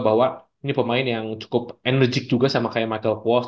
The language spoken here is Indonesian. bahwa ini pemain yang cukup enerjik juga sama kayak michael qual